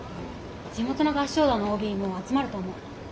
地元の合唱団のＯＢも集まると思う。